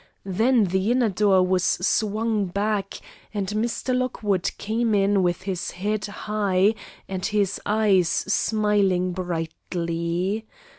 Then the inner door was swung back, and Mr. Lockwood came in with his head high and his eyes smiling brightly.